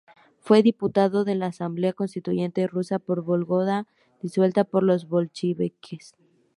Fue diputado de la Asamblea Constituyente Rusa por Vólogda disuelta por los bolcheviques.